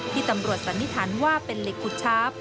ตำรวจสันนิษฐานว่าเป็นเหล็กขุดชาร์ฟ